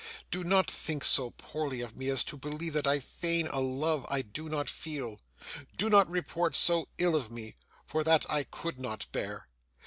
Do not think so poorly of me as to believe that I feign a love I do not feel. Do not report so ill of me, for THAT I could not bear.